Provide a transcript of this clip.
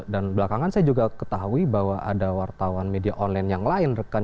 dan belakangan saya juga ketahui bahwa jurnalis media online juga dipaksa untuk menghapus